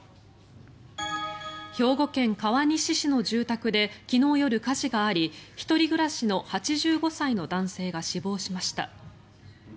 兵庫県川西市の住宅で昨日夜、火事があり１人暮らしの８５歳の男性が死亡しました。